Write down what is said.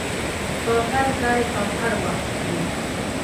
په هر ځای او هر وخت کې.